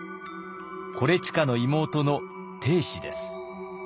伊周の妹の定子です。